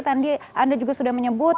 tadi anda juga sudah menyebut